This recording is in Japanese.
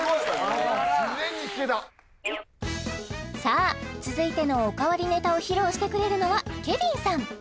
自然に聴けたさあ続いてのお代わりネタを披露してくれるのはケビンさん